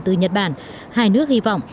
từ nhật bản hai nước hy vọng